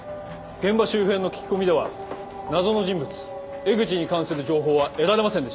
現場周辺の聞き込みでは謎の人物エグチに関する情報は得られませんでした。